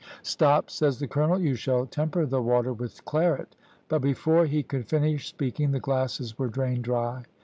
"`Stop,' says the colonel, `you shall temper the water with claret.' But before he could finish speaking, the glasses were drained dry.